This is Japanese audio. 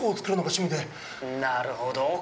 なるほど！